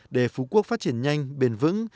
để phú quốc phát triển nhanh bền vững